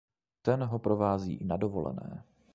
Ten ho provází i na dovolené.